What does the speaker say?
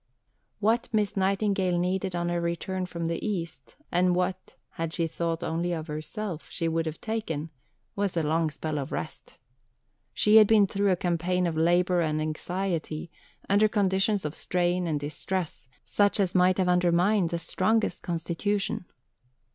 408. II What Miss Nightingale needed on her return from the East, and what, had she thought only of herself, she would have taken, was a long spell of rest. She had been through a campaign of labour and anxiety, under conditions of strain and distress, such as might have undermined the strongest constitution.